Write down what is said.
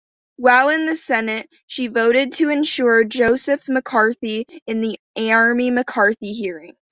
While in the Senate, she voted to censure Joseph McCarthy in the Army-McCarthy hearings.